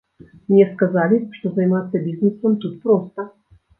Мне сказалі, што займацца бізнэсам тут проста.